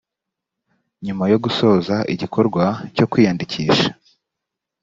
nyuma yo gusoza igikorwa cyo kwiyandikisha